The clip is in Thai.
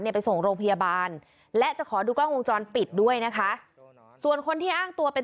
ไปส่งโรงพยาบาลและจะขอดูกล้องวงจรปิดด้วยนะคะส่วนคนที่อ้างตัวเป็น